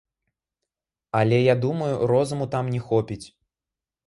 Але я думаю, розуму там не хопіць.